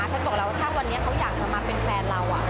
บอกแล้วว่าถ้าวันนี้เขาอยากจะมาเป็นแฟนเรา